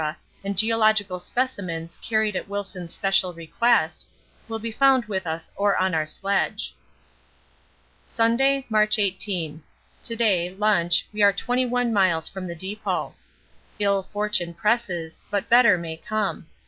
and geological specimens carried at Wilson's special request, will be found with us or on our sledge. Sunday, March 18. To day, lunch, we are 21 miles from the depot. Ill fortune presses, but better may come.